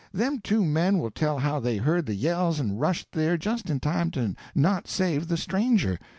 Them two men will tell how they heard the yells and rushed there just in time to not save the stranger.